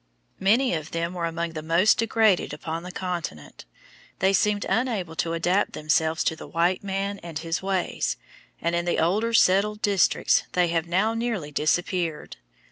Many of them were among the most degraded upon the continent. They seemed unable to adapt themselves to the white man and his ways, and in the older settled districts they have now nearly disappeared.